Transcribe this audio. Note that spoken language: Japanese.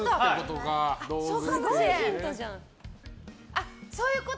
あ、そういうこと？